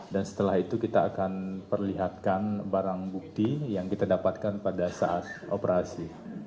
dan setelah itu kita akan perlihatkan barang bukti yang kita dapatkan pada saat operasi